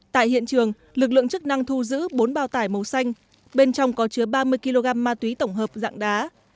tại hiện trường lực lượng chức năng thu giữ bốn bao tải màu xanh bên trong có chứa ba mươi kg ma túy tổng hợp dạng đá